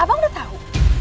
abang udah tahu